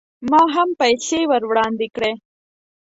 ما هم پیسې ور وړاندې کړې.